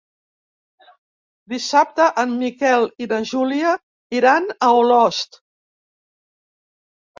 Dissabte en Miquel i na Júlia iran a Olost.